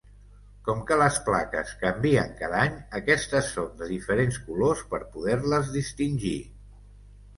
Com que les plaques canvien cada any, aquestes són de diferents colors per poder-les distingir.